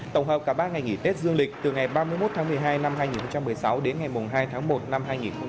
tổng hợp cả ba ngày nghỉ tết dương lịch từ ngày ba mươi một tháng một mươi hai năm hai nghìn một mươi sáu đến ngày hai tháng một năm hai nghìn hai mươi